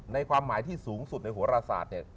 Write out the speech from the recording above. ความหมายที่สูงสุดในหัวราศาสตร์เนี่ย